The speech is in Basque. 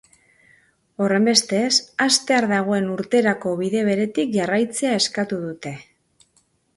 Horrenbestez, hastear dagoen urterako bide beretik jarraitzea eskatu dute.